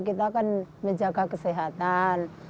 kita kan menjaga kesehatan